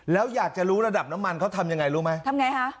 แล้วอยากจะรู้ระดับน้ำมันเขาทำยังไงรู้ไหมทำไงฮะ